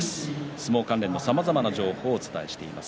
相撲関連のさまざまな情報をお伝えしています。